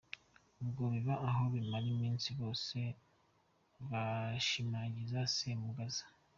Ubwo biba aho bimara iminsi bose bashimagiza Semugaza.